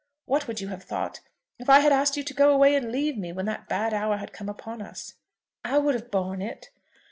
What would you have thought if I had asked you to go away and leave me when that bad hour came upon us?" "I would have borne it."